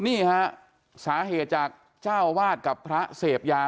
นี่ฮะสาเหตุจากเจ้าวาดกับพระเสพยา